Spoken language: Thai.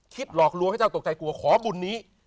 หลอกลวงให้เจ้าตกใจกลัวขอบุญนี้